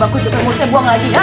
bagus juga musuhnya buang lagi ya